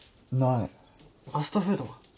ファストフードは？